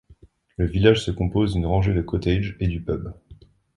Le village se compose d'une rangée de cottages et du pub.